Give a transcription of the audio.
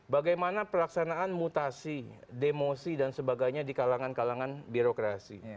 bagaimana pelaksanaan mutasi demosi dan sebagainya di kalangan kalangan birokrasi